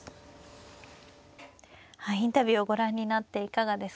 はいインタビューをご覧になっていかがですか。